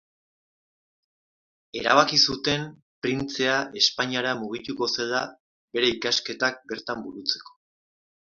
Erabaki zuten printzea Espainiara mugituko zela bere ikasketak bertan burutzeko.